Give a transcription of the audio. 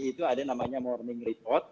itu ada namanya morning report